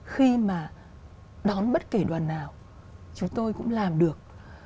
khi mà đón bất kể đoàn nào chúng tôi cũng làm được